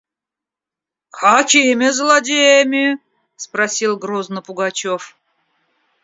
– Какими злодеями? – спросил грозно Пугачев.